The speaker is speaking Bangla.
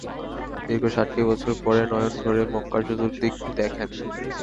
দীর্ঘ সাতটি বছর পরে নয়ন ভরে মক্কার চতুর্দিক দেখেন।